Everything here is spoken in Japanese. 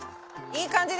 いい感じ？